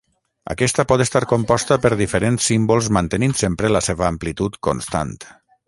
Aquesta pot estar composta per diferents símbols mantenint sempre la seva amplitud constant.